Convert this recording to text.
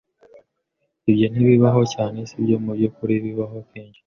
"Ibyo ntibibaho cyane, sibyo?" "Mubyukuri, bibaho kenshi."